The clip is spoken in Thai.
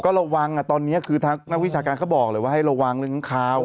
ก็ระวังตอนนี้คือทางนักวิชาการเขาบอกเลยว่าให้ระวังเรื่องข่าว